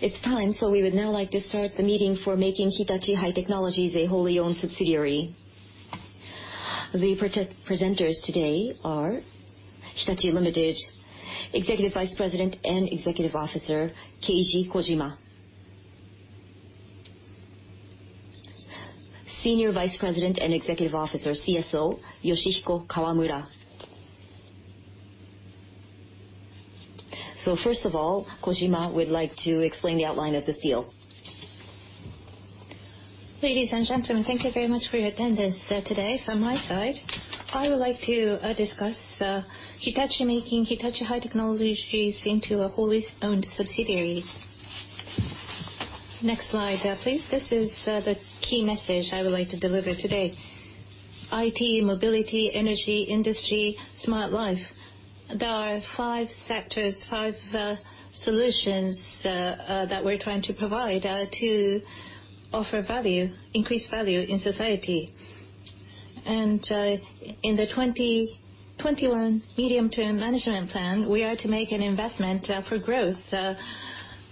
It's time. We would now like to start the meeting for making Hitachi High Technologies a wholly-owned subsidiary. The presenters today are Hitachi, Ltd. Executive Vice President and Executive Officer, Keiji Kojima. Senior Vice President and Executive Officer, CSO, Yoshihiko Kawamura. First of all, Kojima would like to explain the outline of this deal. Ladies and gentlemen, thank you very much for your attendance today. From my side, I would like to discuss Hitachi making Hitachi High Technologies into a wholly-owned subsidiary. Next slide, please. This is the key message I would like to deliver today. IT, mobility, energy, industry, Smart Life. There are five sectors, five solutions, that we're trying to provide to offer value, increased value in society. In the 2021 Mid-term Management Plan, we are to make an investment for growth,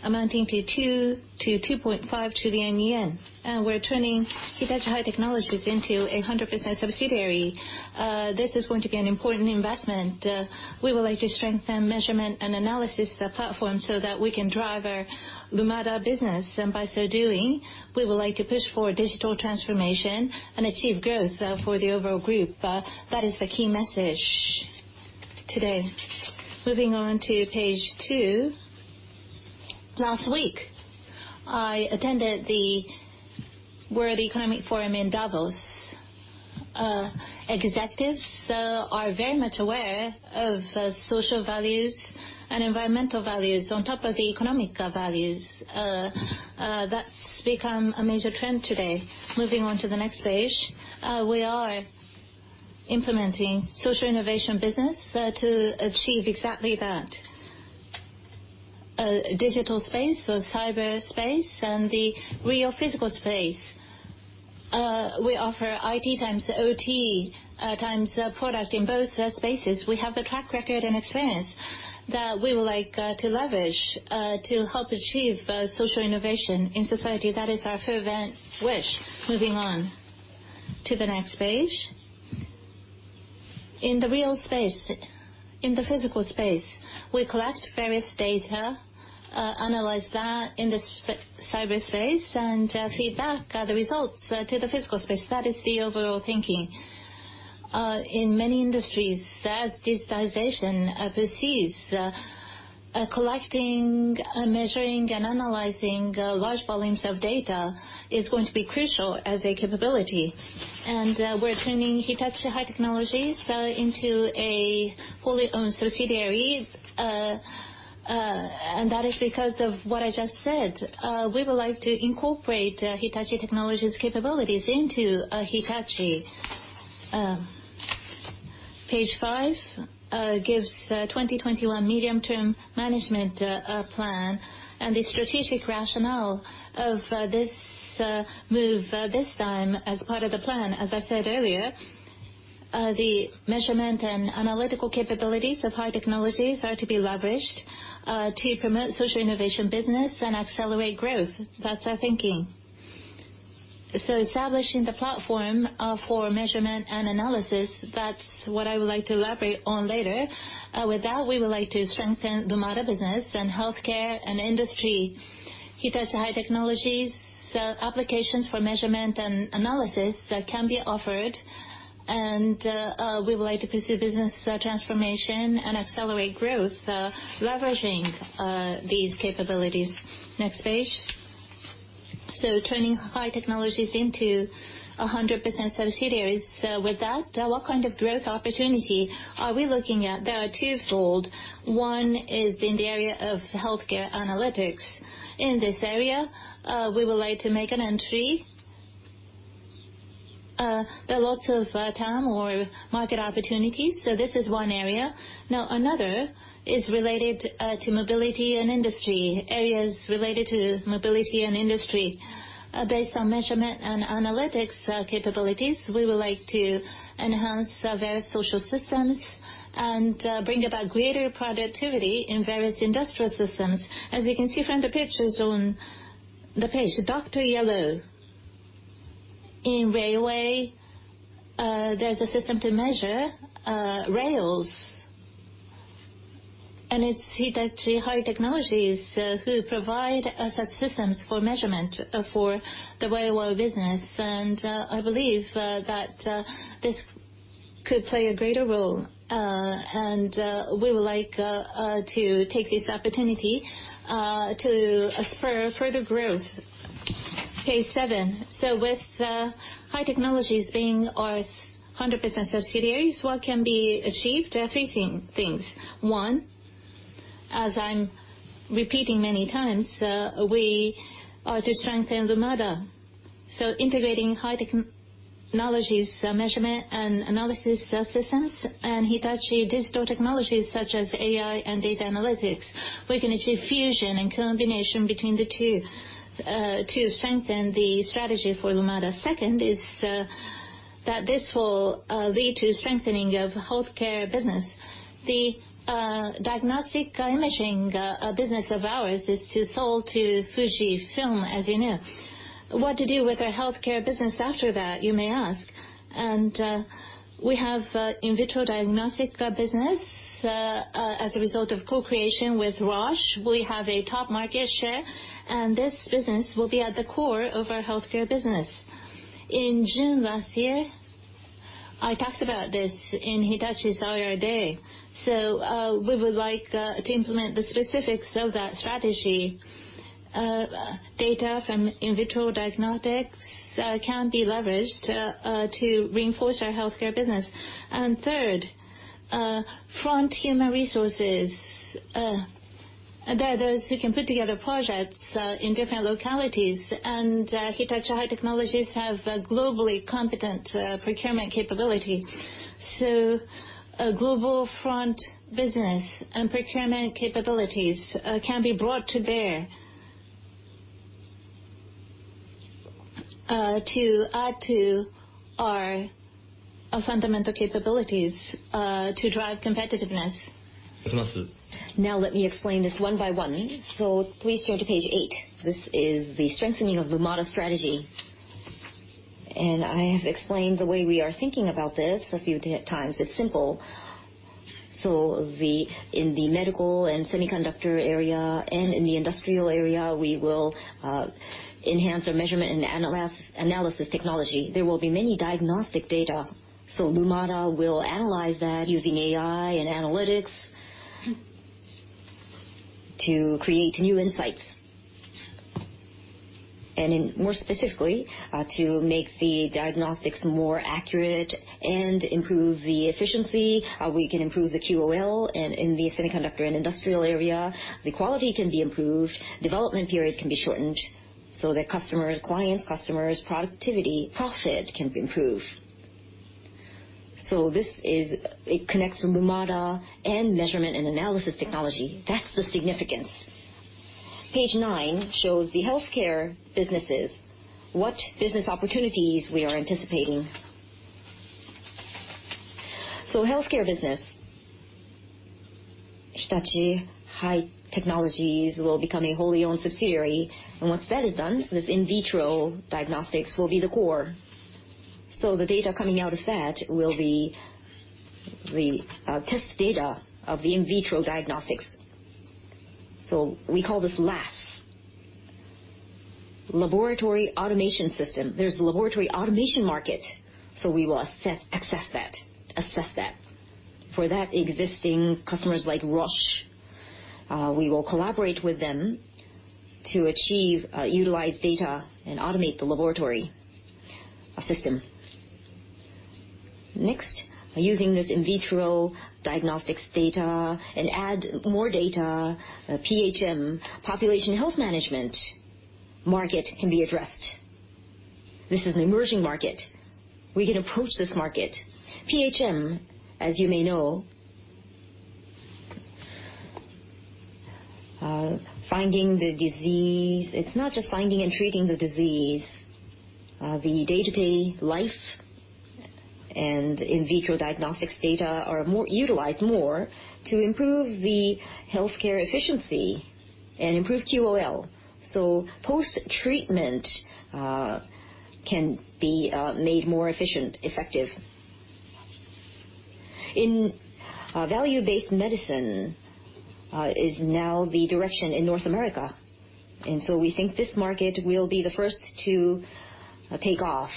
amounting to 2 trillion-2.5 trillion yen. We're turning Hitachi High Technologies into a 100% subsidiary. This is going to be an important investment. We would like to strengthen measurement and analysis platform so that we can drive our Lumada business, and by so doing, we would like to push for digital transformation and achieve growth for the overall group. That is the key message today. Moving on to page two. Last week, I attended the World Economic Forum in Davos. Executives are very much aware of social values and environmental values on top of the economic values. That's become a major trend today. Moving on to the next page. We are implementing social innovation business to achieve exactly that. Digital space, so cyberspace and the real physical space. We offer IT times OT times product in both spaces. We have the track record and experience that we would like to leverage to help achieve social innovation in society. That is our fervent wish. Moving on to the next page. In the real space, in the physical space, we collect various data, analyze that in the cyberspace, and feedback the results to the physical space. That is the overall thinking. In many industries, as digitization proceeds, collecting, measuring, and analyzing large volumes of data is going to be crucial as a capability. We're turning Hitachi High Technologies into a wholly-owned subsidiary, and that is because of what I just said. We would like to incorporate Hitachi High Technologies capabilities into Hitachi. Page five gives 2021 Mid-term Management Plan and the strategic rationale of this move this time as part of the plan. As I said earlier, the measurement and analytical capabilities of High Technologies are to be leveraged to promote social innovation business and accelerate growth. That's our thinking. Establishing the platform for measurement and analysis, that's what I would like to elaborate on later. With that, we would like to strengthen Lumada business and healthcare and industry. Hitachi High-Tech applications for measurement and analysis can be offered, and we would like to pursue business transformation and accelerate growth, leveraging these capabilities. Next page. Turning Hitachi High-Tech into 100% subsidiaries. With that, what kind of growth opportunity are we looking at? There are twofold. One is in the area of healthcare analytics. In this area, we would like to make an entry. There are lots of time or market opportunities. This is one area. Another is related to mobility and industry, areas related to mobility and industry. Based on measurement and analytics capabilities, we would like to enhance various social systems and bring about greater productivity in various industrial systems. As you can see from the pictures on the page, Doctor Yellow. In railway, there's a system to measure rails. It's Hitachi High-Tech who provide such systems for measurement for the railway business. I believe that this could play a greater role, and we would like to take this opportunity to spur further growth. Page seven. With Hitachi High-Tech being our 100% subsidiaries, what can be achieved? Three things. One, as I'm repeating many times, we are to strengthen Lumada. Integrating Hitachi High-Tech's measurement and analysis systems and Hitachi digital technologies such as AI and data analytics, we can achieve fusion and combination between the two to strengthen the strategy for Lumada. Second is this will lead to strengthening of healthcare business. The diagnostic imaging business of ours is to sell to Fujifilm, as you know. What to do with our healthcare business after that, you may ask. We have in vitro diagnostics business. As a result of co-creation with Roche, we have a top market share, and this business will be at the core of our healthcare business. In June last year, I talked about this in Hitachi Investor Day. We would like to implement the specifics of that strategy. Data from in vitro diagnostics can be leveraged to reinforce our healthcare business. Third, front human resources. They are those who can put together projects in different localities, and Hitachi High-Tech have a globally competent procurement capability. A global front business and procurement capabilities can be brought to bear to add to our fundamental capabilities to drive competitiveness. Let me explain this one by one. Please turn to page eight. This is the strengthening of the Lumada strategy. I have explained the way we are thinking about this a few times. It's simple. In the medical and semiconductor area and in the industrial area, we will enhance our measurement and analysis technology. There will be many diagnostic data, Lumada will analyze that using AI and analytics to create new insights. More specifically, to make the diagnostics more accurate and improve the efficiency, we can improve the QOL. In the semiconductor and industrial area, the quality can be improved, development period can be shortened, the client's customers' productivity, profit can be improved. This, it connects Lumada and measurement and analysis technology. That's the significance. Page nine shows the healthcare businesses, what business opportunities we are anticipating. Healthcare business. Hitachi High-Tech will become a wholly owned subsidiary, and once that is done, this in vitro diagnostics will be the core. The data coming out of that will be the test data of the in vitro diagnostics. We call this LAS, Laboratory Automation System. There is a laboratory automation market. We will assess that. For that, existing customers like Roche, we will collaborate with them to achieve, utilize data, and automate the laboratory system. Next, using this in vitro diagnostics data and add more data, Population Health Management market can be addressed. This is an emerging market. We can approach this market. PHM, as you may know, finding the disease. It is not just finding and treating the disease. The day-to-day life and in vitro diagnostics data are utilized more to improve the healthcare efficiency and improve QOL. Post-treatment can be made more efficient, effective. Value-based medicine is now the direction in North America. We think this market will be the first to take off.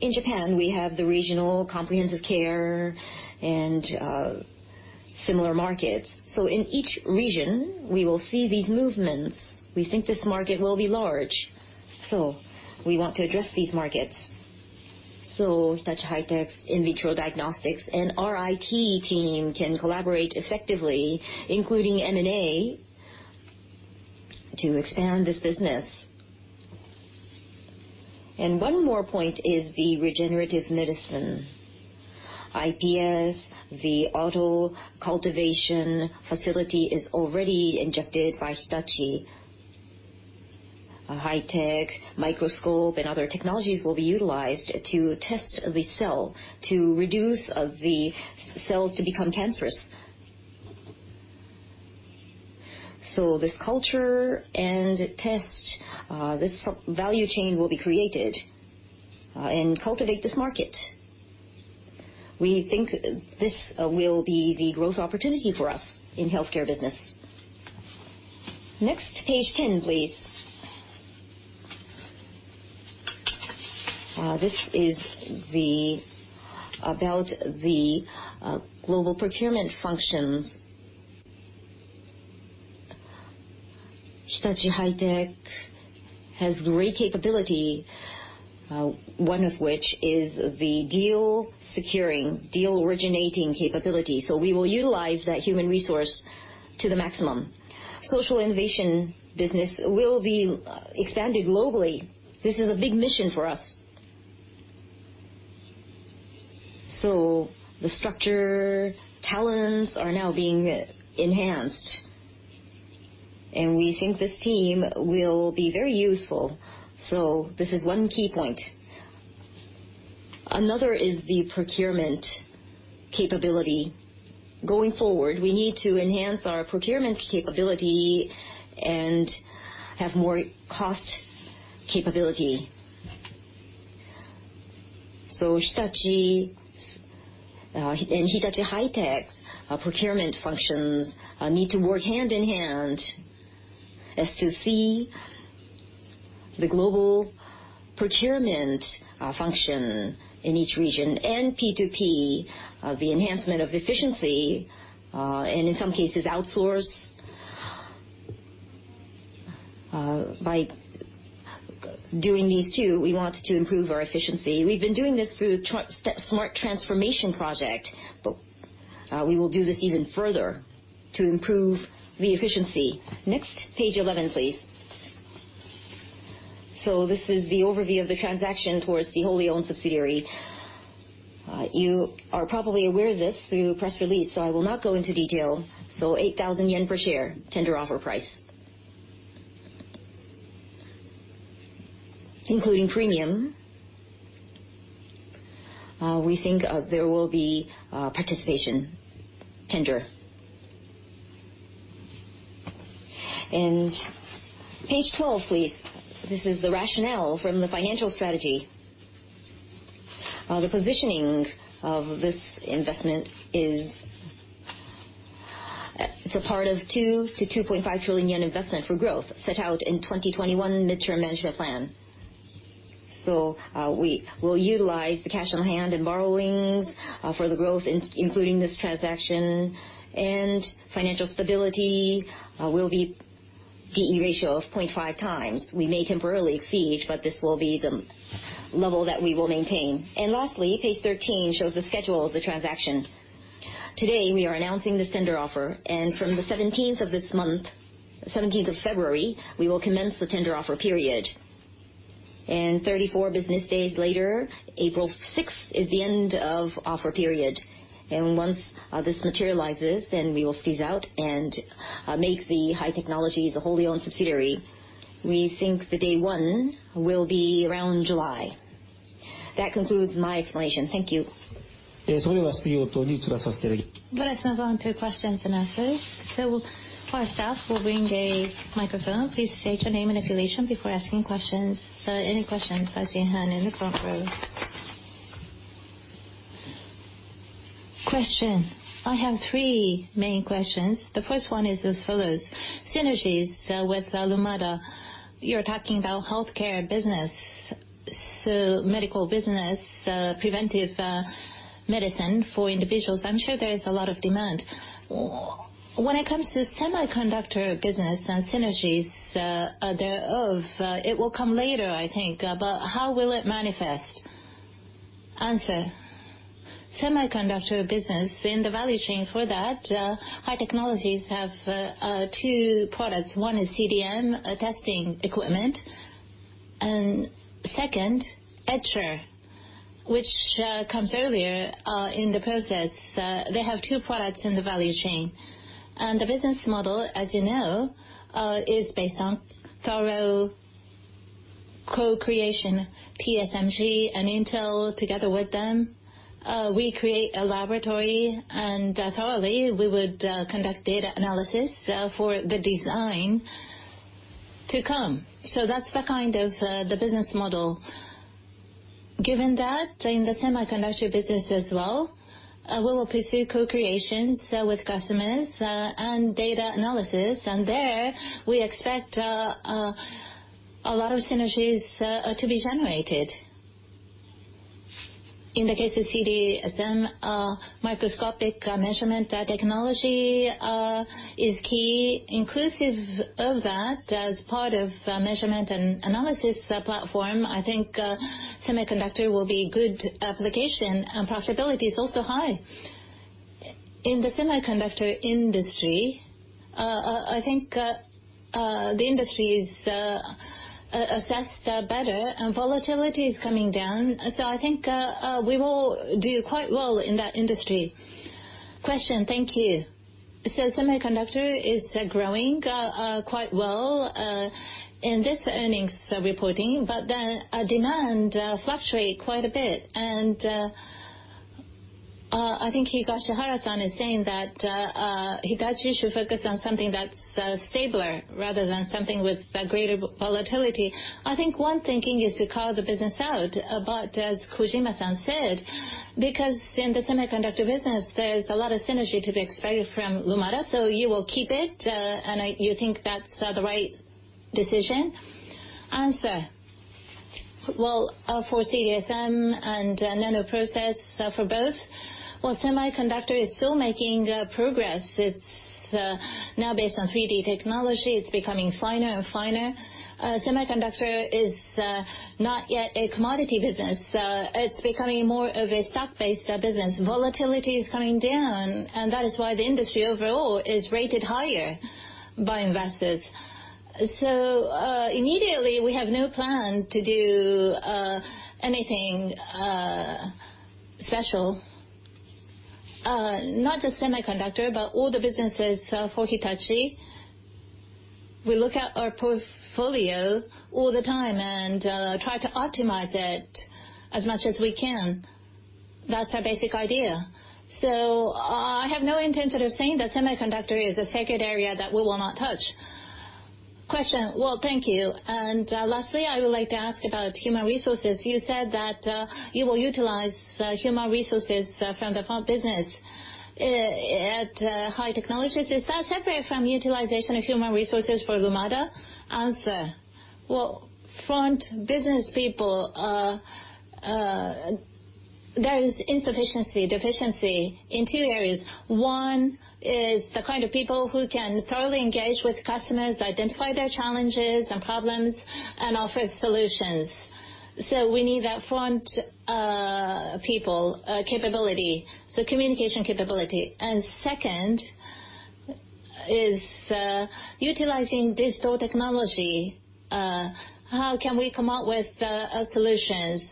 In Japan, we have the regional comprehensive care and similar markets. In each region, we will see these movements. We think this market will be large. We want to address these markets. Hitachi High-Tech's in vitro diagnostics and our IT team can collaborate effectively, including M&A, to expand this business. One more point is the regenerative medicine. iPS, the auto cultivation facility is already injected by Hitachi. High-tech microscope and other technologies will be utilized to test the cell, to reduce the cells to become cancerous. This culture and test, this value chain will be created and cultivate this market. We think this will be the growth opportunity for us in healthcare business. Next, page 10, please. This is about the global procurement functions. Hitachi High-Tech has great capability, one of which is the deal securing, deal originating capability. We will utilize that human resource to the maximum. Social innovation business will be expanded globally. This is a big mission for us. The structure talents are now being enhanced. We think this team will be very useful. This is one key point. Another is the procurement capability. Going forward, we need to enhance our procurement capability and have more cost capability. Hitachi and Hitachi High-Tech's procurement functions need to work hand in hand as to see the global procurement function in each region, P2P, the enhancement of efficiency, and in some cases, outsource. By doing these two, we want to improve our efficiency. We've been doing this through Hitachi Smart Transformation Project. We will do this even further to improve the efficiency. Next, page 11, please. This is the overview of the transaction towards the wholly owned subsidiary. You are probably aware of this through press release. I will not go into detail. 8,000 yen per share tender offer price, including premium. We think there will be participation tender. Page 12, please. This is the rationale from the financial strategy. The positioning of this investment is, it's a part of 2 trillion-2.5 trillion yen investment for growth set out in 2021 Mid-term Management Plan. We will utilize the cash on hand and borrowings for the growth, including this transaction. Financial stability will be D/E ratio of 0.5 times. We may temporarily exceed, but this will be the level that we will maintain. Lastly, page 13 shows the schedule of the transaction. Today, we are announcing the tender offer, and from the 17th of this month, 17th of February, we will commence the tender offer period. 34 business days later, April 6th is the end of offer period. Once this materializes, then we will seize out and make the High Technologies a wholly owned subsidiary. We think the day one will be around July. That concludes my explanation. Thank you. Let us now go on to questions and answers. For our staff will bring a microphone. Please state your name and affiliation before asking questions. Any questions? I see a hand in the front row. Question. I have three main questions. The first one is as follows. Synergies with Lumada. You're talking about healthcare business, medical business, preventive medicine for individuals. I'm sure there is a lot of demand. When it comes to semiconductor business and synergies thereof, it will come later, I think. How will it manifest? Answer. Semiconductor business, in the value chain for that, High Technologies have two products. One is CD-SEM testing equipment, and second, etcher, which comes earlier in the process. They have two products in the value chain. The business model, as you know, is based on thorough co-creation. TSMC and Intel, together with them, we create a laboratory, and thoroughly, we would conduct data analysis for the design to come. That's the kind of the business model. Given that, in the semiconductor business as well, we will pursue co-creation with customers and data analysis, and there we expect a lot of synergies to be generated. In the case of CD-SEM, microscopic measurement technology is key. Inclusive of that, as part of measurement and analysis platform, I think semiconductor will be good application, and profitability is also high. In the semiconductor industry, I think the industry is assessed better, and volatility is coming down. I think we will do quite well in that industry. Question. Thank you. Semiconductor is growing quite well in this earnings reporting, but demand fluctuate quite a bit. I think Higashihara-san is saying that Hitachi should focus on something that's stabler rather than something with greater volatility. I think one thinking is to carve the business out. As Kojima-san said, because in the semiconductor business, there's a lot of synergy to be expected from Lumada, you will keep it, and you think that's the right decision? Answer. Well, for CD-SEM and nanofabrication process, for both, semiconductor is still making progress. It's now based on 3D technology. It's becoming finer and finer. Semiconductor is not yet a commodity business. It's becoming more of a stock-based business. Volatility is coming down, and that is why the industry overall is rated higher by investors. Immediately, we have no plan to do anything special Not just semiconductor, but all the businesses for Hitachi, we look at our portfolio all the time and try to optimize it as much as we can. That's our basic idea. I have no intention of saying that semiconductor is a sacred area that we will not touch. Question. Well, thank you. Lastly, I would like to ask about human resources. You said that you will utilize human resources from the front business at Hitachi High Technologies. Is that separate from utilization of human resources for Lumada? Answer. Well, front business people, there is insufficiency, deficiency in two areas. One is the kind of people who can thoroughly engage with customers, identify their challenges and problems, and offer solutions. We need that front people capability, so communication capability. Second is utilizing digital technology, how can we come up with solutions?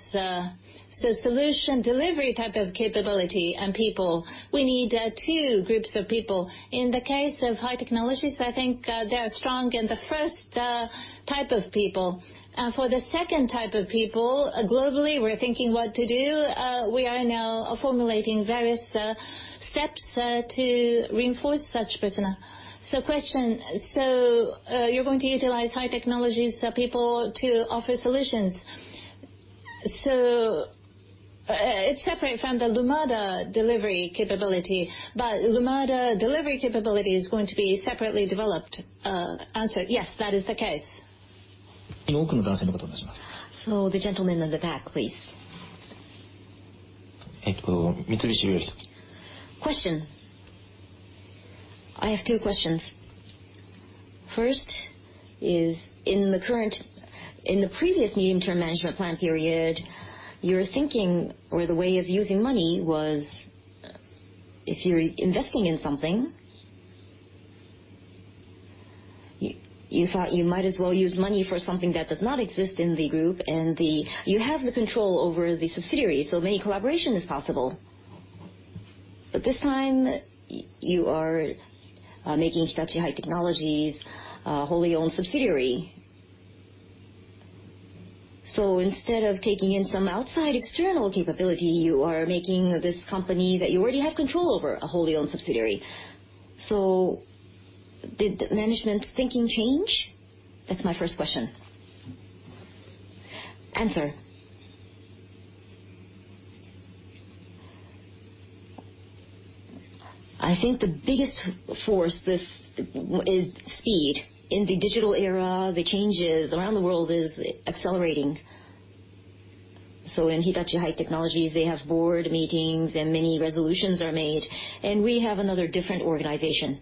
Solution delivery type of capability and people. We need two groups of people. In the case of Hitachi High Technologies, I think they are strong in the first type of people. For the second type of people, globally, we're thinking what to do. We are now formulating various steps to reinforce such personnel. Question. You're going to utilize Hitachi High Technologies people to offer solutions. It's separate from the Lumada delivery capability, but Lumada delivery capability is going to be separately developed. Answer. Yes, that is the case. The gentleman in the back, please. Question. I have two questions. First is, in the previous medium-term management plan period, your thinking or the way of using money was, if you're investing in something, you thought you might as well use money for something that does not exist in the group, and you have the control over the subsidiary, many collaboration is possible. This time, you are making Hitachi High Technologies a wholly owned subsidiary. Instead of taking in some outside external capability, you are making this company that you already have control over a wholly owned subsidiary. Did management's thinking change? That's my first question. Answer. I think the biggest force is speed. In the digital era, the changes around the world is accelerating. In Hitachi High Technologies, they have board meetings, and many resolutions are made, and we have another different organization.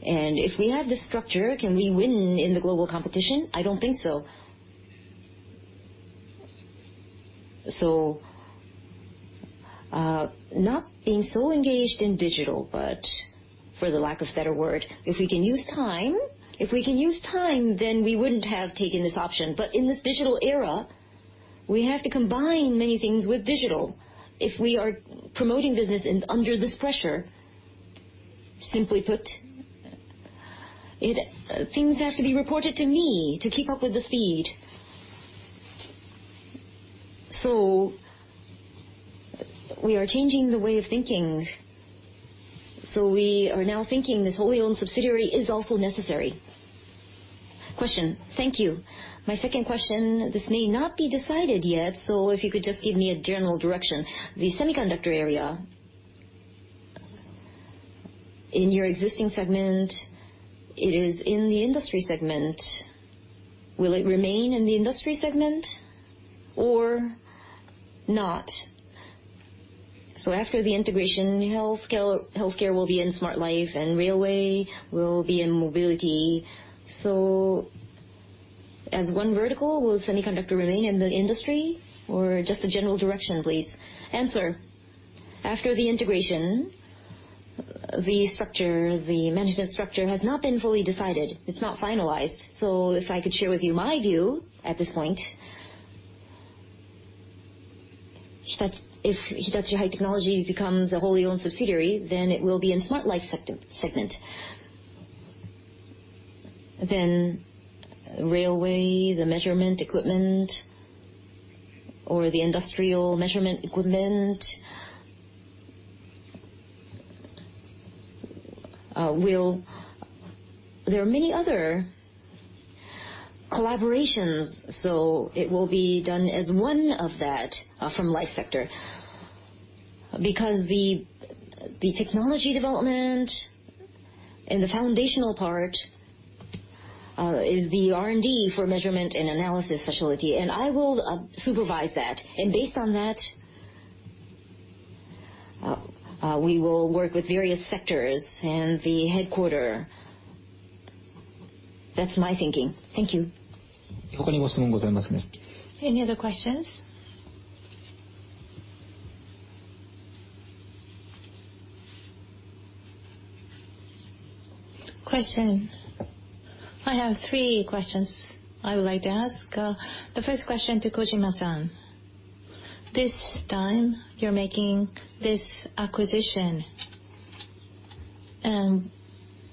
If we have this structure, can we win in the global competition? I don't think so. Not being so engaged in digital, but for the lack of a better word, if we can use time, then we wouldn't have taken this option. In this digital era, we have to combine many things with digital. If we are promoting business under this pressure, simply put, things have to be reported to me to keep up with the speed. We are changing the way of thinking. We are now thinking this wholly owned subsidiary is also necessary. Question. Thank you. My second question, this may not be decided yet, so if you could just give me a general direction. The semiconductor area, in your existing segment, it is in the industry segment. Will it remain in the industry segment or not? After the integration, healthcare will be in Smart Life and railway will be in Mobility. As one vertical, will semiconductor remain in the industry? Or just a general direction, please. Answer. After the integration, the management structure has not been fully decided. It's not finalized. If I could share with you my view at this point, if Hitachi High Technologies becomes a wholly owned subsidiary, then it will be in Smart Life segment. Railway, the measurement equipment, or the industrial measurement equipment, there are many other collaborations, so it will be done as one of that from Life sector. Because the technology development and the foundational part is the R&D for measurement and analysis facility, and I will supervise that. Based on that, we will work with various sectors and the headquarter. That's my thinking. Thank you. Any other questions? Question. I have three questions I would like to ask. The first question to Kojima-san. This time, you're making this acquisition.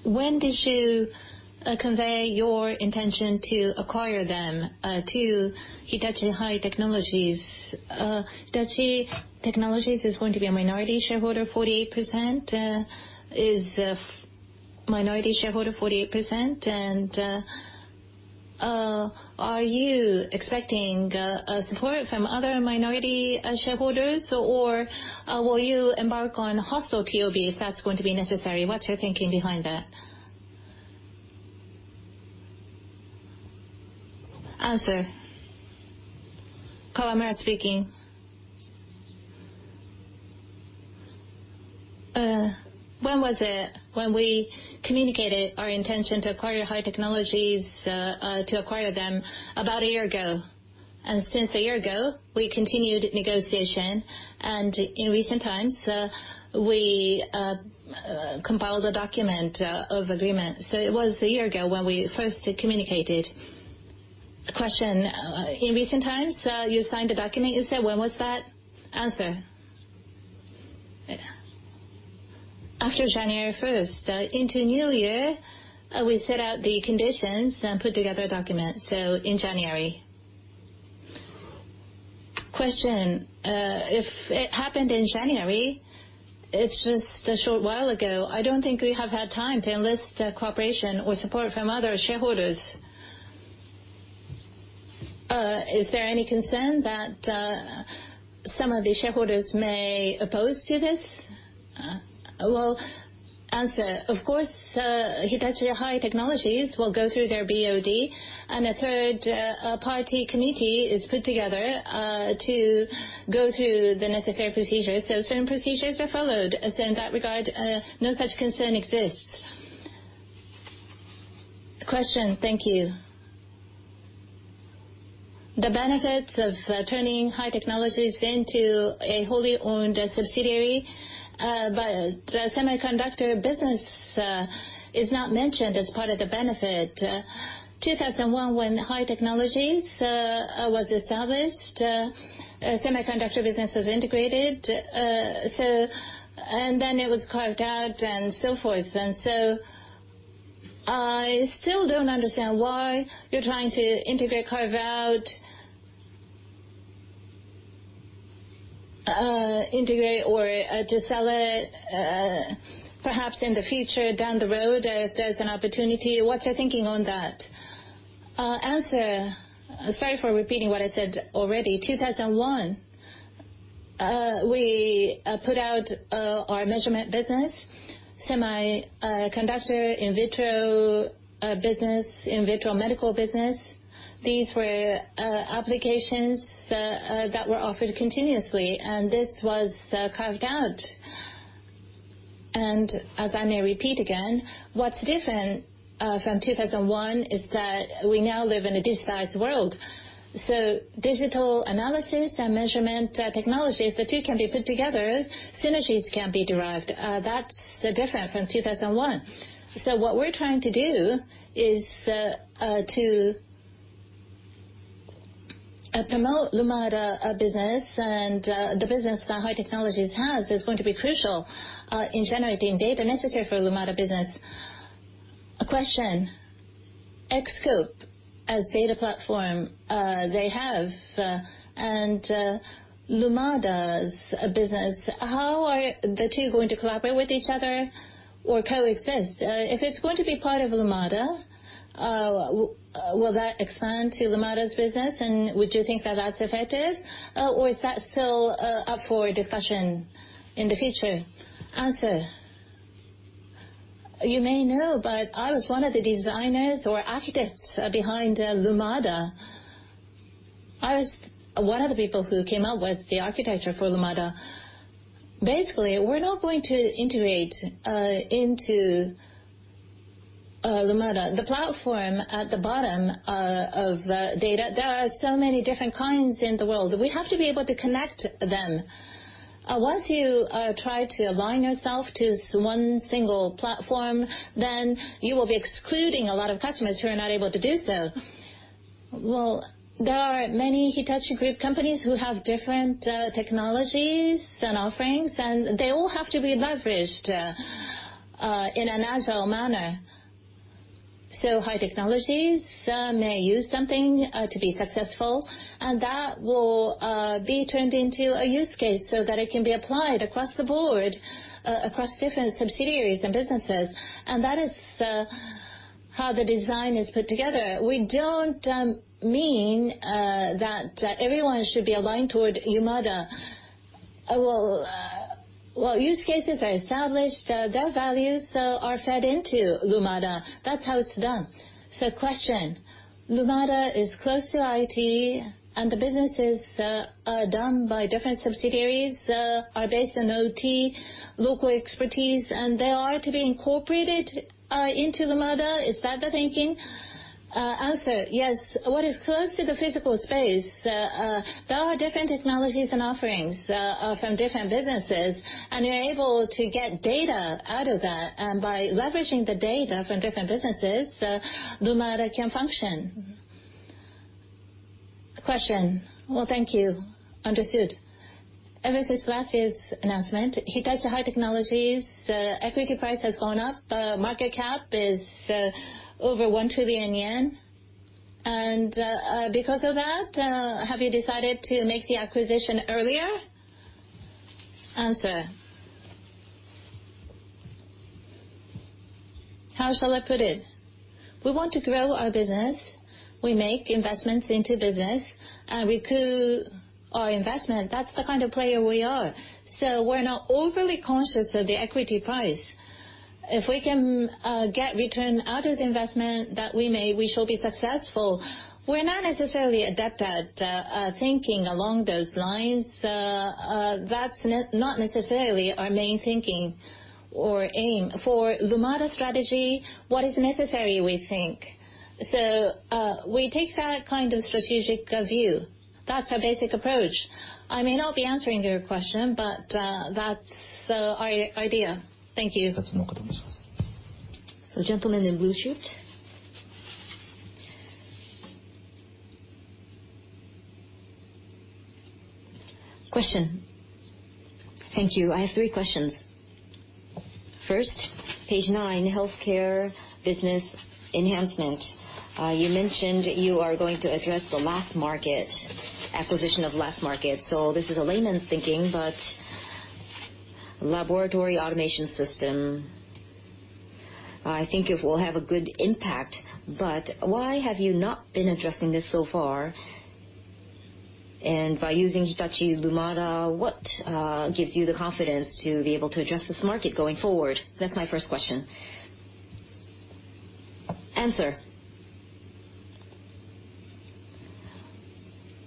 When did you convey your intention to acquire them, to Hitachi High Technologies? Hitachi High Technologies is going to be a minority shareholder, 48%, is a minority shareholder, 48%, and are you expecting support from other minority shareholders, or will you embark on hostile TOB if that's going to be necessary? What's your thinking behind that? Answer. Kawamura speaking. When was it when we communicated our intention to acquire High Technologies, to acquire them? About a year ago. Since a year ago, we continued negotiation, and in recent times, we compiled a document of agreement. It was a year ago when we first communicated. Question. In recent times, you signed a document, you said. When was that? Answer. After January 1st. Into new year, we set out the conditions, then put together a document, in January. Question. If it happened in January, it's just a short while ago. I don't think we have had time to enlist the cooperation or support from other shareholders. Is there any concern that some of the shareholders may oppose to this? Answer. Of course, Hitachi High Technologies will go through their BOD, and a third-party committee is put together to go through the necessary procedures. Certain procedures are followed. In that regard, no such concern exists. Question. Thank you. The benefits of turning High Technologies into a wholly owned subsidiary, but semiconductor business is not mentioned as part of the benefit. 2001, when High Technologies was established, semiconductor business was integrated, and then it was carved out and so forth. I still don't understand why you're trying to integrate, carve out, integrate, or to sell it, perhaps in the future, down the road, if there's an opportunity. What's your thinking on that? Answer. Sorry for repeating what I said already. 2001, we put out our measurement business, semiconductor, in vitro business, in vitro medical business. These were applications that were offered continuously, and this was carved out. As I may repeat again, what's different from 2001 is that we now live in a digitized world. Digital analysis and measurement technologies, the two can be put together, synergies can be derived. That's different from 2001. What we're trying to do is to promote Lumada business, and the business that High Technologies has is going to be crucial in generating data necessary for Lumada business. Question. ExTOPE as data platform, they have, and Lumada as a business, how are the two going to collaborate with each other or coexist? If it's going to be part of Lumada, will that expand to Lumada's business, and would you think that that's effective, or is that still up for discussion in the future? Answer. You may know, I was one of the designers or architects behind Lumada. I was one of the people who came up with the architecture for Lumada. Basically, we're not going to integrate into Lumada. The platform at the bottom of data, there are so many different kinds in the world. We have to be able to connect them. Once you try to align yourself to one single platform, you will be excluding a lot of customers who are not able to do so. There are many Hitachi Group companies who have different technologies and offerings, and they all have to be leveraged in an agile manner. High Technologies may use something to be successful, and that will be turned into a use case so that it can be applied across the board, across different subsidiaries and businesses, and that is how the design is put together. We don't mean that everyone should be aligned toward Lumada. Use cases are established, their values are fed into Lumada. That's how it's done. Question. Lumada is close to IT, and the businesses done by different subsidiaries are based on OT, local expertise, and they are to be incorporated into Lumada. Is that the thinking? Answer. Yes. What is close to the physical space, there are different technologies and offerings from different businesses, and we are able to get data out of that. By leveraging the data from different businesses, Lumada can function. Question. Thank you. Understood. Ever since last year's announcement, Hitachi High Technologies, the equity price has gone up, the market cap is over 1 trillion yen. Because of that, have you decided to make the acquisition earlier? Answer. How shall I put it? We want to grow our business. We make investments into business and recoup our investment. That's the kind of player we are. We're not overly conscious of the equity price. If we can get return out of the investment that we make, we shall be successful. We're not necessarily adept at thinking along those lines. That's not necessarily our main thinking or aim. For Lumada strategy, what is necessary we think. We take that kind of strategic view. That's our basic approach. I may not be answering your question, but that's our idea. Thank you. The gentleman in the blue suit. Thank you. I have three questions. First, page nine, healthcare business enhancement. You mentioned you are going to address the LAS market, acquisition of LAS market. This is a layman's thinking, but Laboratory Automation System, I think it will have a good impact, but why have you not been addressing this so far? By using Hitachi Lumada, what gives you the confidence to be able to address this market going forward? That's my first question.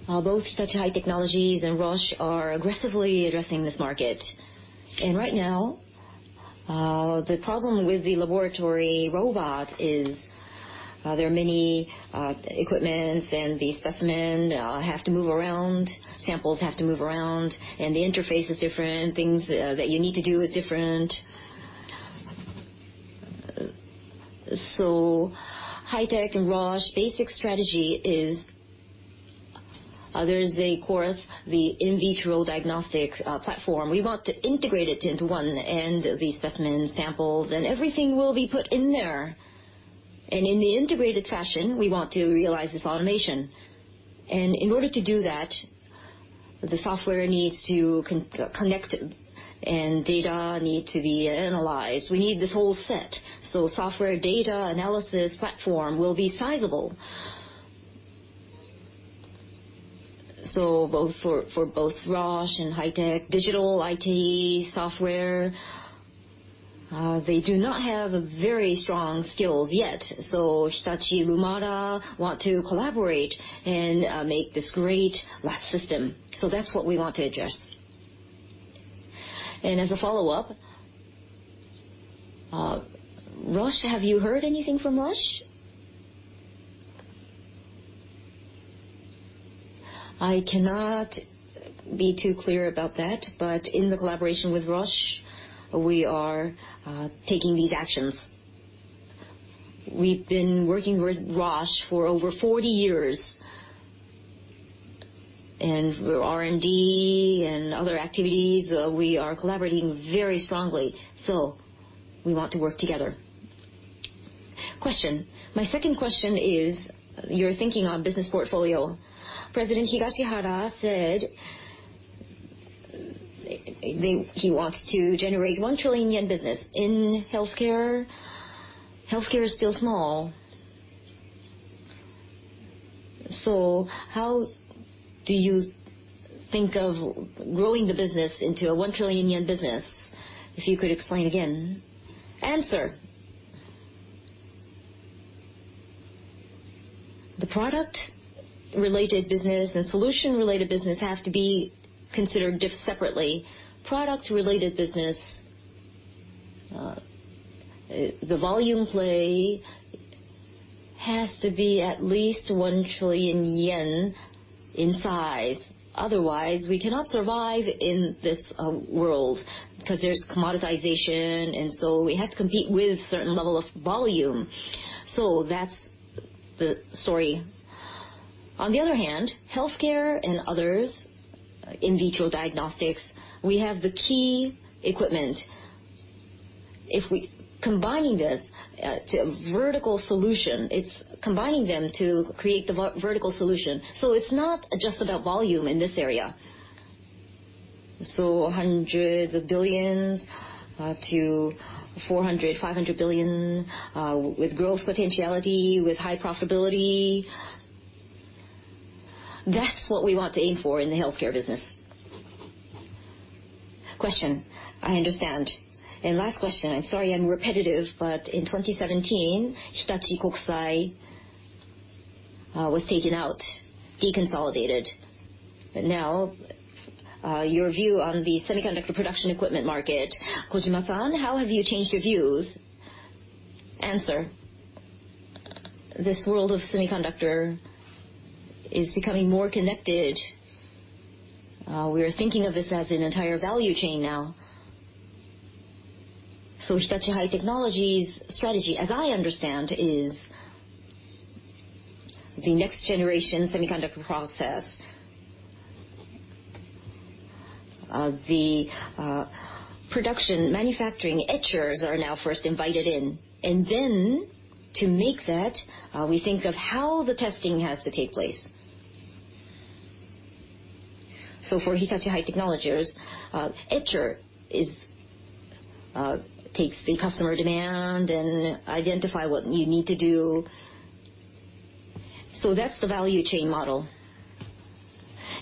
Both Hitachi High-Tech and Roche are aggressively addressing this market. Right now, the problem with the laboratory robot is there are many equipment and the specimen have to move around, samples have to move around, and the interface is different, things that you need to do is different. Hitachi High-Tech and Roche basic strategy is, there's a course, the in vitro diagnostics platform. We want to integrate it into one, the specimen samples and everything will be put in there. In the integrated fashion, we want to realize this automation. In order to do that, the software needs to connect and data needs to be analyzed. We need this whole set. Software data analysis platform will be sizable. For both Roche and Hitachi High-Tech, digital IT software, they do not have very strong skills yet. Hitachi Lumada wants to collaborate and make this great LAS system. That's what we want to address. As a follow-up, Roche, have you heard anything from Roche? I cannot be too clear about that, but in the collaboration with Roche, we are taking these actions. We've been working with Roche for over 40 years. For R&D and other activities, we are collaborating very strongly. We want to work together. Question. My second question is, your thinking on business portfolio. President Higashihara said, I think he wants to generate 1 trillion yen business in healthcare. Healthcare is still small. How do you think of growing the business into a 1 trillion yen business? If you could explain again. Answer. The product related business and solution related business have to be considered separately. Products related business, the volume play has to be at least 1 trillion yen in size. Otherwise, we cannot survive in this world because there's commoditization, and so we have to compete with certain level of volume. That's the story. On the other hand, healthcare and others, in vitro diagnostics, we have the key equipment. If we combine this to a vertical solution, it's combining them to create the vertical solution. It's not just about volume in this area. JPY hundreds of billions to 400 billion, 500 billion, with growth potentiality, with high profitability. That's what we want to aim for in the healthcare business. Question. I understand. Last question, I'm sorry I'm repetitive, in 2017, Hitachi Kokusai was taken out, deconsolidated. Now, your view on the semiconductor production equipment market, Kojima-san, how have you changed your views? Answer. This world of semiconductor is becoming more connected. We are thinking of this as an entire value chain now. Hitachi High-Tech's strategy, as I understand, is the next generation semiconductor process. The production manufacturing etchers are now first invited in. Then to make that, we think of how the testing has to take place. For Hitachi High-Tech, etcher takes the customer demand and identify what you need to do. That's the value chain model.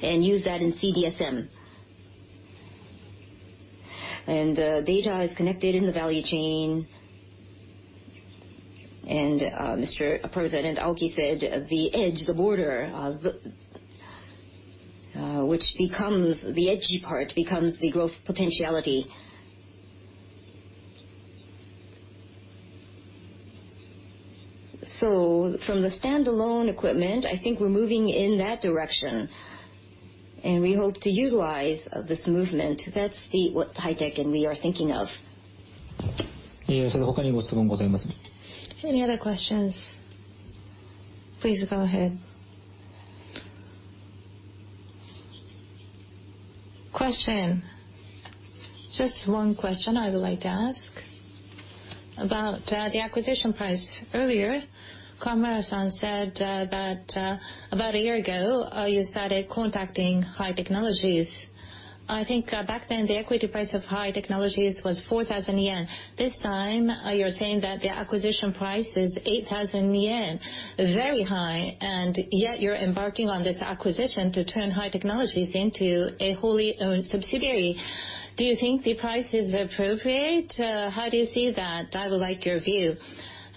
Use that in CD-SEM. Data is connected in the value chain. Mr. President Aoki said the edge, the border, the edgy part, becomes the growth potentiality. From the standalone equipment, I think we're moving in that direction, and we hope to utilize this movement. That's what HITech and we are thinking of. Any other questions? Please go ahead. Question. Just one question I would like to ask about the acquisition price. Earlier, Kawamura-san said that about a year ago, you started contacting Hitachi High-Tech. I think back then, the equity price of Hitachi High-Tech was 4,000 yen. This time, you're saying that the acquisition price is 8,000 yen, very high, and yet you're embarking on this acquisition to turn Hitachi High-Tech into a wholly owned subsidiary. Do you think the price is appropriate? How do you see that? I would like your view.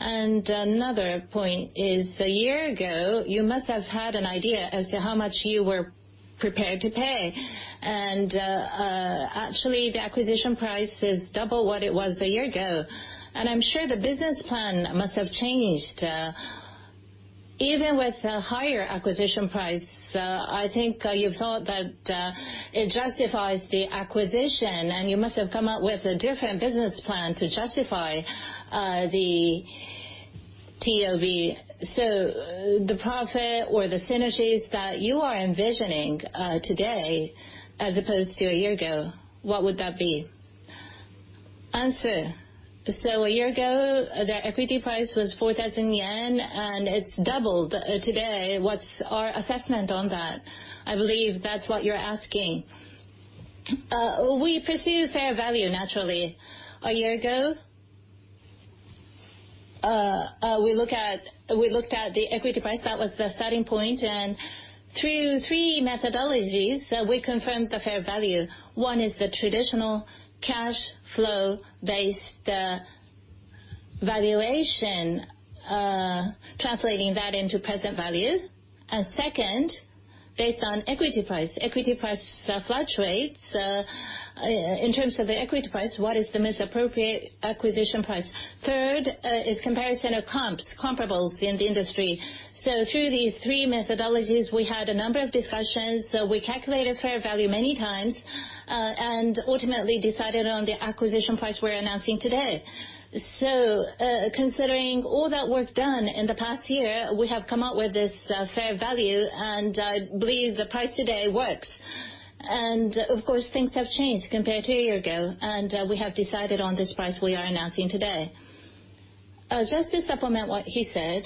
Another point is, a year ago, you must have had an idea as to how much you were prepared to pay. Actually, the acquisition price is double what it was a year ago, and I'm sure the business plan must have changed. Even with a higher acquisition price, I think you thought that it justifies the acquisition, and you must have come up with a different business plan to justify the TOB. The profit or the synergies that you are envisioning today as opposed to a year ago, what would that be? Answer. A year ago, their equity price was 4,000 yen, and it's doubled today. What's our assessment on that? I believe that's what you're asking. We pursue fair value, naturally. A year ago, we looked at the equity price. That was the starting point. Through three methodologies, we confirmed the fair value. One is the traditional cash flow-based valuation, translating that into present value. Second, based on equity price. Equity price fluctuates. In terms of the equity price, what is the most appropriate acquisition price? Third is comparison of comps, comparables in the industry. Through these three methodologies, we had a number of discussions. We calculated fair value many times, and ultimately decided on the acquisition price we're announcing today. Considering all that work done in the past year, we have come up with this fair value, and I believe the price today works. Of course, things have changed compared to a year ago, and we have decided on this price we are announcing today. Just to supplement what he said.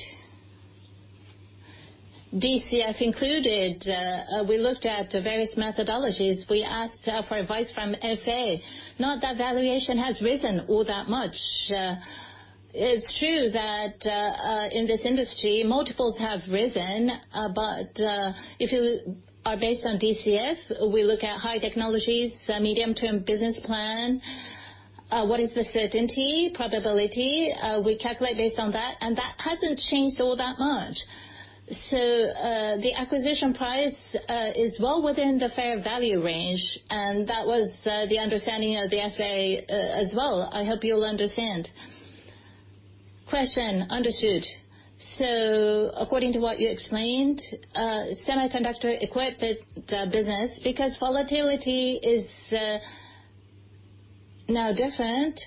DCF included, we looked at various methodologies. We asked for advice from FA. Not that valuation has risen all that much. It's true that in this industry, multiples have risen. But if you are based on DCF, we look at Hitachi High-Tech's medium-term business plan. What is the certainty, probability? We calculate based on that, and that hasn't changed all that much. The acquisition price is well within the fair value range, and that was the understanding of the FA as well. I hope you'll understand. Question. Understood. According to what you explained, semiconductor equipment business, because volatility is now different,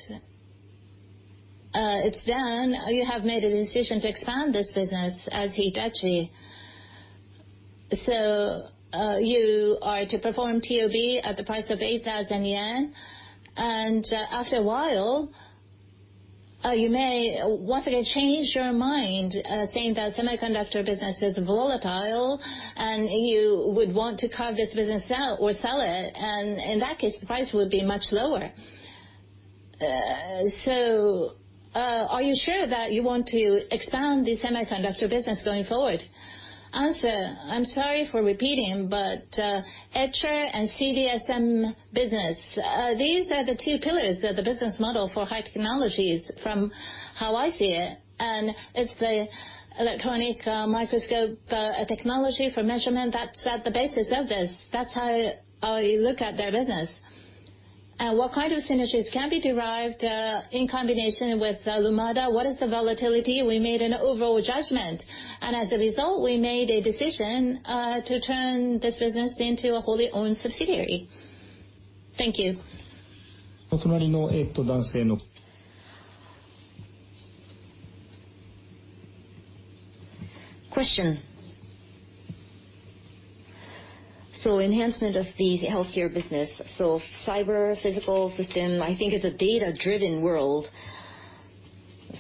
it's done. You have made a decision to expand this business as Hitachi. You are to perform TOB at the price of 8,000 yen, and after a while, you may want to change your mind, saying that semiconductor business is volatile, and you would want to carve this business out or sell it, and in that case, the price would be much lower. Are you sure that you want to expand the semiconductor business going forward? Answer, I'm sorry for repeating, but etcher and CD-SEM business, these are the two pillars. They're the business model for Hitachi High-Tech from how I see it, and it's the electronic microscope technology for measurement that's at the basis of this. That's how I look at their business. What kind of synergies can be derived, in combination with Lumada? What is the volatility? We made an overall judgment, and as a result, we made a decision to turn this business into a wholly owned subsidiary. Thank you. Question. Enhancement of the healthcare business. cyber-physical system, I think it's a data-driven world.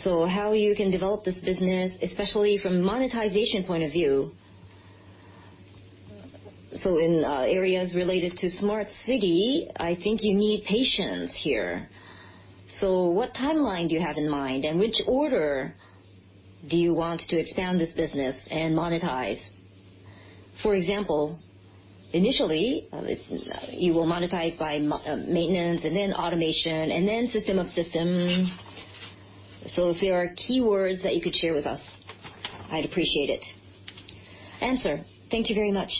How you can develop this business, especially from monetization point of view. In areas related to smart city, I think you need patience here. What timeline do you have in mind, and which order do you want to expand this business and monetize? For example, initially, you will monetize by maintenance and then automation, and then system of system. If there are keywords that you could share with us, I'd appreciate it. Answer. Thank you very much.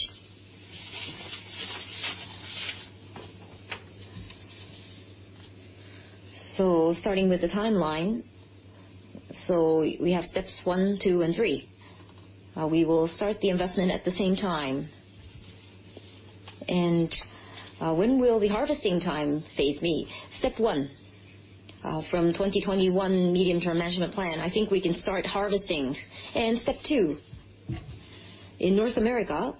Starting with the timeline. We have steps 1, 2, and 3. We will start the investment at the same time. When will the harvesting time phase be? Step 1. From 2021 Mid-term Management Plan, I think we can start harvesting. Step 2, in North America,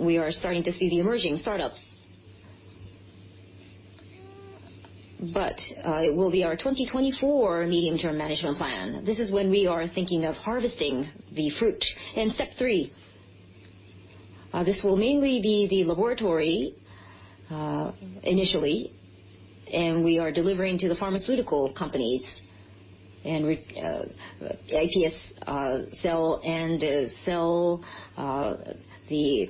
we are starting to see the emerging startups. But it will be our 2024 Mid-term Management Plan. This is when we are thinking of harvesting the fruit. Step 3, this will mainly be the laboratory, initially, and we are delivering to the pharmaceutical companies and iPS cells and the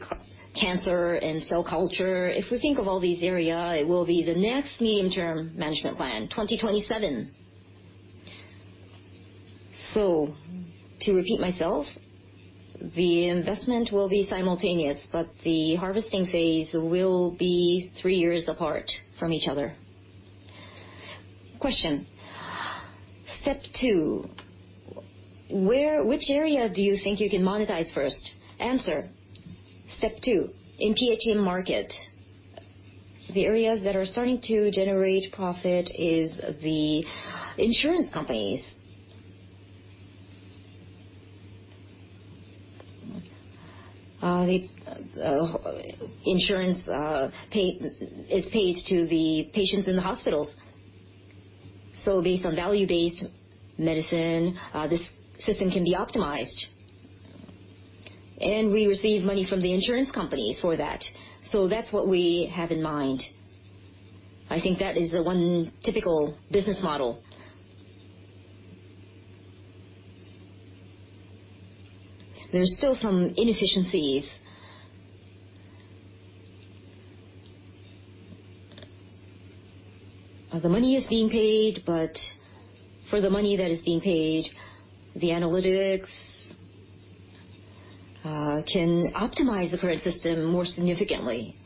cancer and cell culture. If we think of all these area, it will be the next medium-term management plan, 2027. To repeat myself, the investment will be simultaneous, but the harvesting phase will be three years apart from each other. Question. Step 2, which area do you think you can monetize first? Answer. Step 2, in PHM market, the areas that are starting to generate profit is the insurance companies. Insurance is paid to the patients in the hospitals. Based on value-based medicine, this system can be optimized. We receive money from the insurance company for that. That's what we have in mind. I think that is the one typical business model. There's still some inefficiencies. The money is being paid, but for the money that is being paid, the analytics can optimize the current system more significantly.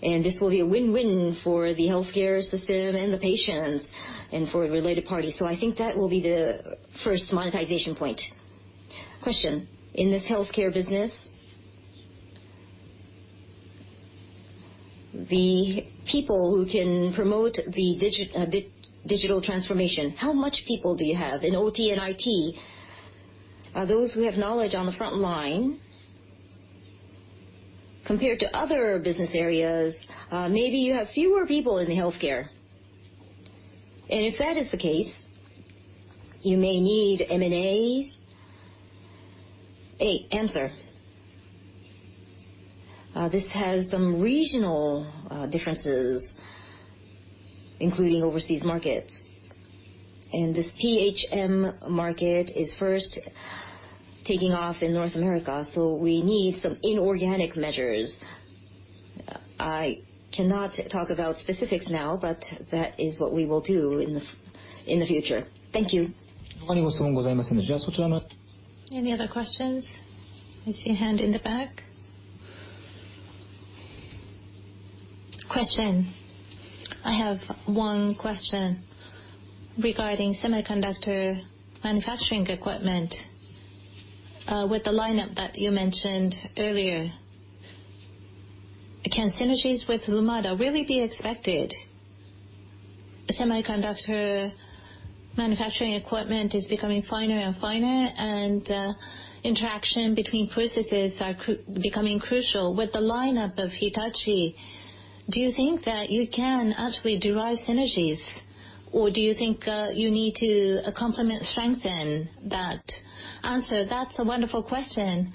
This will be a win-win for the healthcare system and the patients and for related parties. I think that will be the first monetization point. Question. In this healthcare business, the people who can promote the digital transformation, how much people do you have in OT and IT? Those who have knowledge on the front line compared to other business areas, maybe you have fewer people in the healthcare. If that is the case, you may need M&A. Answer. This has some regional differences, including overseas markets. This PHM market is first taking off in North America, so we need some inorganic measures. I cannot talk about specifics now, but that is what we will do in the future. Thank you. Any other questions? I see a hand in the back. Question. I have one question regarding semiconductor manufacturing equipment. With the lineup that you mentioned earlier, can synergies with Lumada really be expected? Semiconductor manufacturing equipment is becoming finer and finer, and interaction between processes are becoming crucial. With the lineup of Hitachi, do you think that you can actually derive synergies, or do you think you need to complement, strengthen that Answer. That's a wonderful question.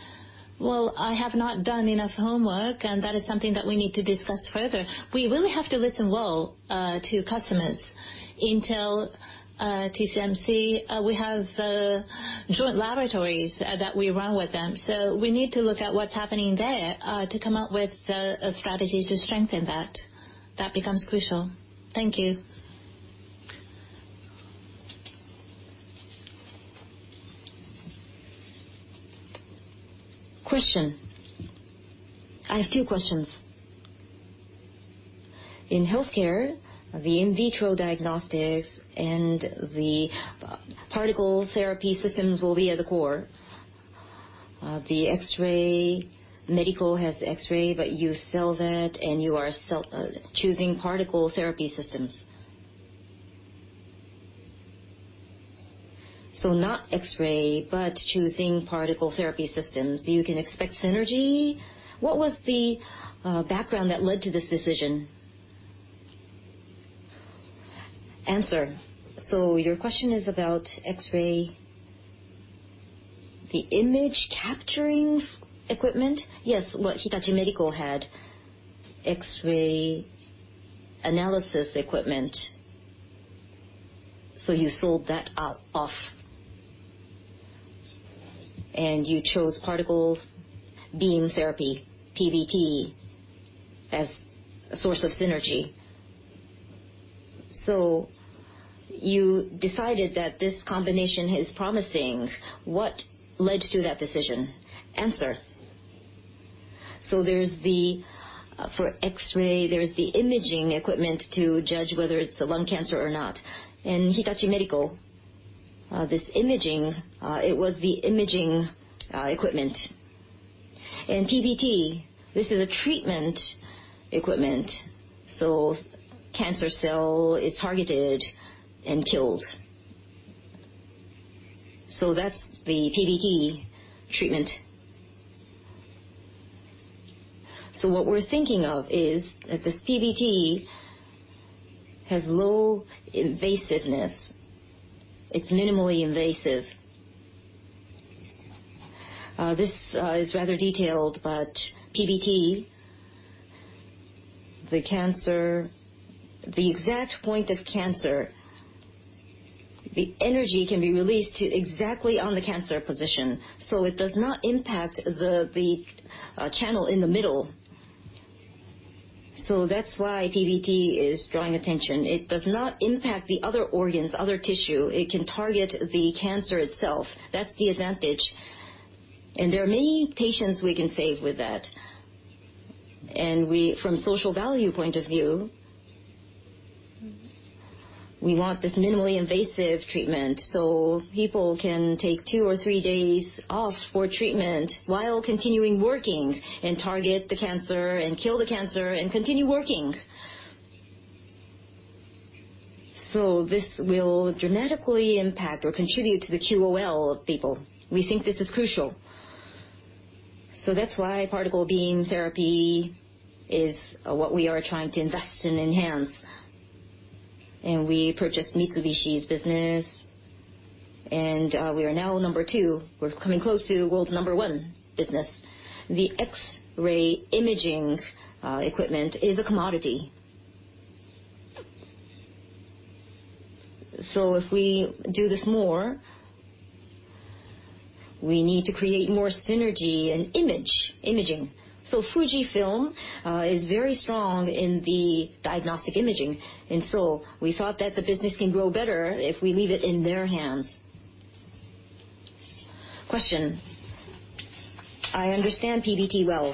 Well, I have not done enough homework, and that is something that we need to discuss further. We really have to listen well to customers. Intel, TSMC, we have joint laboratories that we run with them. We need to look at what's happening there to come up with a strategy to strengthen that. That becomes crucial. Thank you. Question. I have two questions. In healthcare, the in-vitro diagnostics and the particle therapy systems will be at the core. The X-ray, medical has X-ray, but you sell that and you are choosing particle therapy systems. Not X-ray, but choosing particle therapy systems. You can expect synergy. What was the background that led to this decision? Answer. Your question is about X-ray, the image capturing equipment? Yes. Well, Hitachi Medical had X-ray analysis equipment. You sold that off, and you chose particle beam therapy, PBT, as a source of synergy. You decided that this combination is promising. What led to that decision? Answer. For X-ray, there's the imaging equipment to judge whether it's a lung cancer or not. In Hitachi Medical, this imaging, it was the imaging equipment. In PBT, this is a treatment equipment, cancer cell is targeted and killed. That's the PBT treatment. What we're thinking of is that this PBT has low invasiveness. It's minimally invasive. This is rather detailed, but PBT, the exact point of cancer, the energy can be released exactly on the cancer position, it does not impact the channel in the middle. That's why PBT is drawing attention. It does not impact the other organs, other tissue. It can target the cancer itself. That's the advantage. There are many patients we can save with that. From social value point of view, we want this minimally invasive treatment people can take two or three days off for treatment while continuing working, and target the cancer and kill the cancer and continue working. This will dramatically impact or contribute to the QOL of people. We think this is crucial. That's why particle beam therapy is what we are trying to invest in enhance. We purchased Mitsubishi's business, and we are now number 2. We're coming close to world number 1 business. The X-ray imaging equipment is a commodity. If we do this more, we need to create more synergy and imaging. Fujifilm is very strong in the diagnostic imaging. We thought that the business can grow better if we leave it in their hands. Question. I understand PBT well.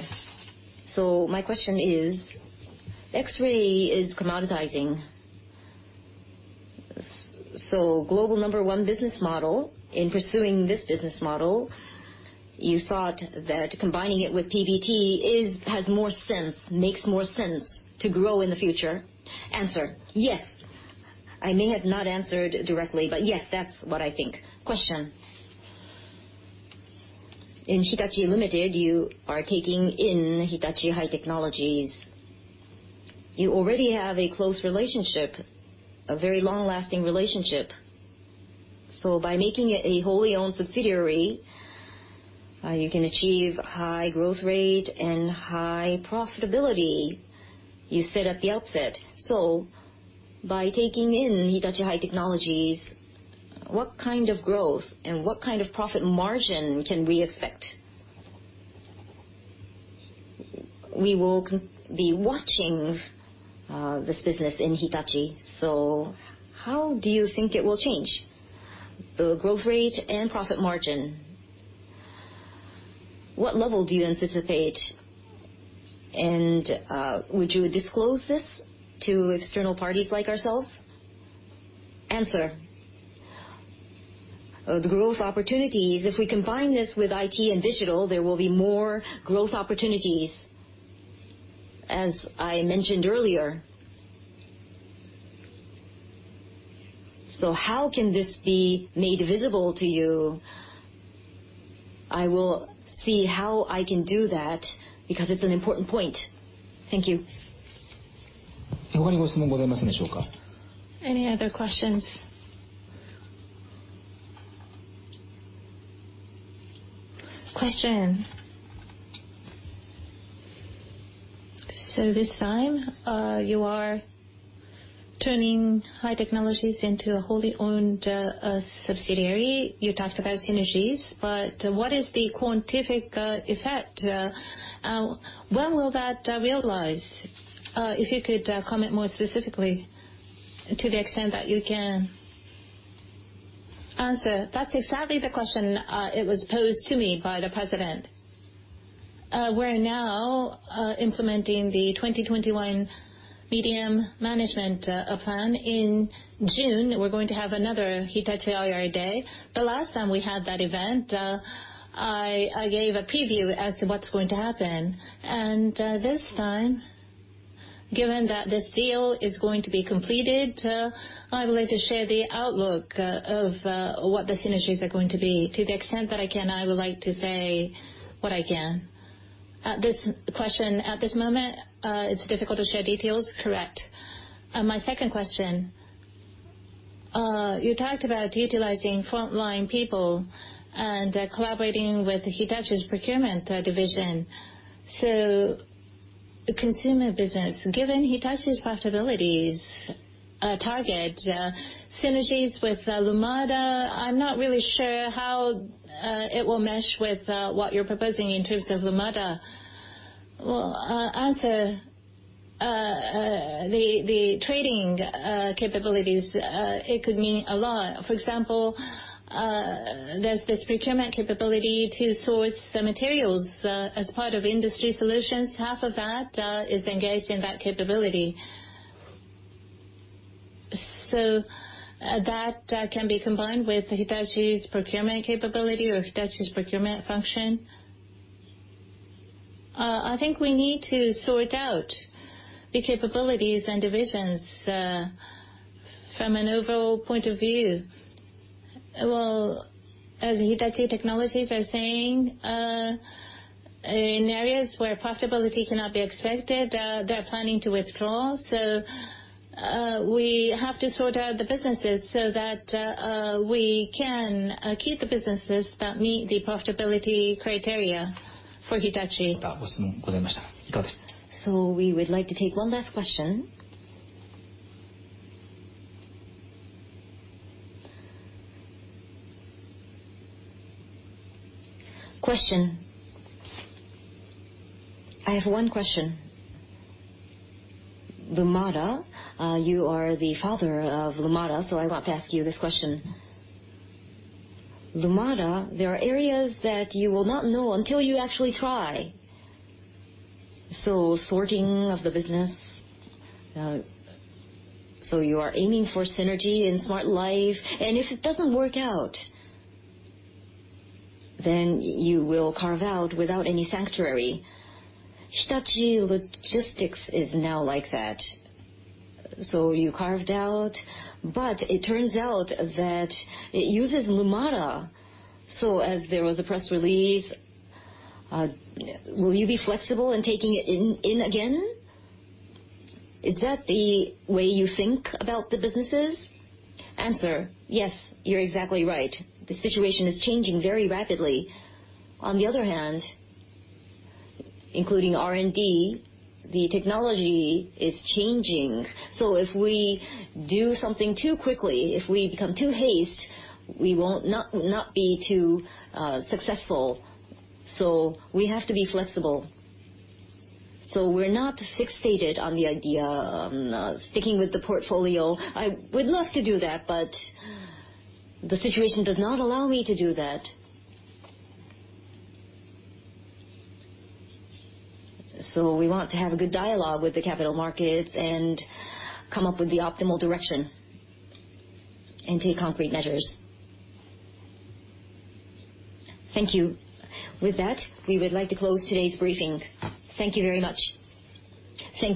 My question is, X-ray is commoditizing. Global number one business model, in pursuing this business model, you thought that combining it with PBT has more sense, makes more sense to grow in the future? Yes. I may have not answered directly, but yes, that's what I think. In Hitachi, Ltd., you are taking in Hitachi High Technologies. You already have a close relationship, a very long-lasting relationship. By making it a wholly owned subsidiary, you can achieve high growth rate and high profitability, you said at the outset. By taking in Hitachi High Technologies, what kind of growth and what kind of profit margin can we expect? We will be watching this business in Hitachi, so how do you think it will change? The growth rate and profit margin, what level do you anticipate? Would you disclose this to external parties like ourselves? The growth opportunities, if we combine this with IT and digital, there will be more growth opportunities, as I mentioned earlier. How can this be made visible to you? I will see how I can do that because it's an important point. Thank you. Any other questions? This time, you are turning Hitachi High Technologies into a wholly owned subsidiary. You talked about synergies, but what is the quantitative effect? When will that realize? If you could comment more specifically to the extent that you can. That's exactly the question. It was posed to me by the president. We're now implementing the 2021 Mid-term Management Plan. In June, we're going to have another Hitachi Investor Day. The last time we had that event, I gave a preview as to what's going to happen. This time, given that this deal is going to be completed, I would like to share the outlook of what the synergies are going to be. To the extent that I can, I would like to say what I can. This question, at this moment, it's difficult to share details. Correct. My second question. You talked about utilizing frontline people and collaborating with Hitachi's procurement division. The consumer business, given Hitachi's profitability's target, synergies with Lumada, I'm not really sure how it will mesh with what you're proposing in terms of Lumada. Answer. The trading capabilities, it could mean a lot. For example, there's this procurement capability to source the materials as part of industry solutions. Half of that is engaged in that capability. That can be combined with Hitachi's procurement capability or Hitachi's procurement function. I think we need to sort out the capabilities and divisions from an overall point of view. As Hitachi High Technologies are saying, in areas where profitability cannot be expected, they're planning to withdraw. We have to sort out the businesses so that we can keep the businesses that meet the profitability criteria for Hitachi. We would like to take one last question. Question. I have one question. Lumada, you are the father of Lumada, so I want to ask you this question. Lumada, there are areas that you will not know until you actually try. Sorting of the business, you are aiming for synergy in Smart Life, and if it doesn't work out, then you will carve out without any sanctuary. Hitachi Transport System is now like that. You carved out, but it turns out that it uses Lumada. As there was a press release, will you be flexible in taking it in again? Is that the way you think about the businesses? Answer. Yes, you're exactly right. The situation is changing very rapidly. On the other hand, including R&D, the technology is changing. If we do something too quickly, if we become too haste, we won't be too successful. We have to be flexible. We're not fixated on the idea of sticking with the portfolio. I would love to do that, but the situation does not allow me to do that. We want to have a good dialogue with the capital markets and come up with the optimal direction and take concrete measures. Thank you. With that, we would like to close today's briefing. Thank you very much. Thank you